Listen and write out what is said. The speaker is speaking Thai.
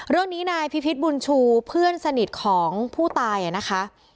เรื่องนี้นายพิพิษบุญชูเพื่อนสนิทของผู้ตายนะคะ